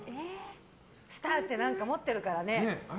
スターって持ってるからね。